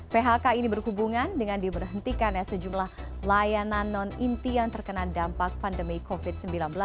phk ini berhubungan dengan diberhentikan sejumlah layanan non inti yang terkena dampak pandemi covid sembilan belas